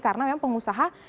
karena memang pengusaha